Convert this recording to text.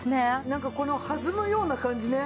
なんかこの弾むような感じね。